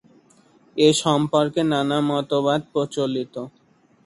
এ সম্পর্কে নানা মতবাদ প্রচলিত।